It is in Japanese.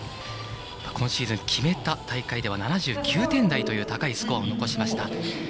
今シーズン決めた大会では７９点台という高いスコアも残しました。